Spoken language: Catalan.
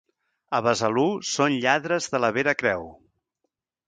A Besalú són lladres de la Vera Creu.